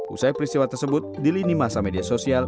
usai peristiwa tersebut di lini masa media sosial